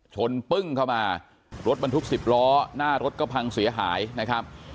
ปึ้งเข้ามารถบรรทุก๑๐ล้อหน้ารถก็พังเสียหายนะครับ